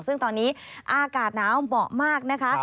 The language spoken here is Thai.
ซึ่งตอนนี้อากาศหนาวเหมาะมากนะคะ